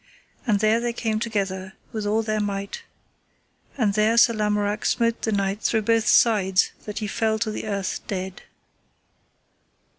And there they came together with all their might, and there Sir Lamorak smote the knight through both sides that he fell to the earth dead.